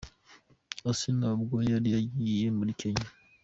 Asinah ubwo yari agiye muri Kenya.